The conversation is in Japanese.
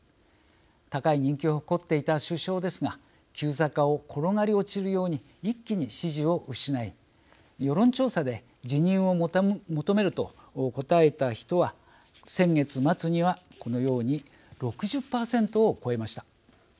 高い人気を誇っていた首相ですが急坂を転がり落ちるように一気に支持を失い世論調査で辞任を求めると答えた人は先月末にはこのように６０％を超えました。